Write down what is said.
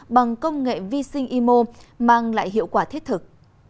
bằng công nghệ vi sinh imo mang lại hiệu quả thiết thực